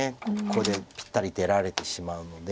ここでぴったり出られてしまうので。